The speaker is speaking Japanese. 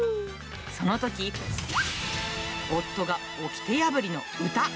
そのとき、夫がおきて破りの歌。